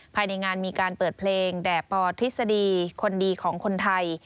ภายในงานมีการเปิดเพลงแด่ปอทฤษฎีคนดีของคนไทย